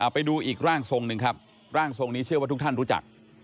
ไปดูอีกร่างทรงหนึ่งครับร่างทรงนี้เชื่อว่าทุกท่านรู้จัก